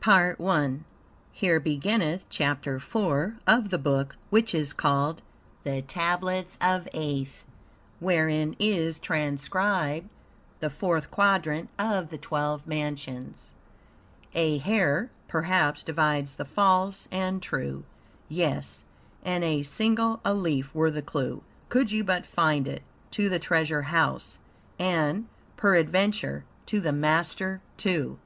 PART 1 Here beginneth Chapter 4 of the Book which is called "The Tablets of Aeth," wherein is transcribed the Fourth Quadrant of the Twelve Mansions. "A hair, perhaps, divides the false and true. Yes, and a single alif were the clue Could you but find it to the treasure house, And, peradventure, to THE MASTER, too.